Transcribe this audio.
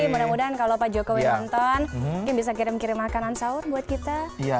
mudah mudahan kalau pak jokowi nonton mungkin bisa kirim kirim makanan sahur buat kita